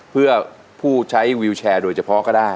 เพื่อผู้ใช้วิวแชร์โดยเฉพาะก็ได้